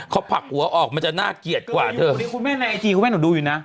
เขาผลักหัวออกมันจะน่าเกลียดกว่าเธอนี่คุณแม่ในไอจีคุณแม่หนูดูอยู่นะ